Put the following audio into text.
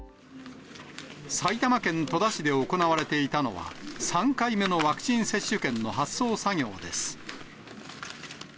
埼玉県戸田市で行われていたのは、３回目のワクチン接種券の発送作業です。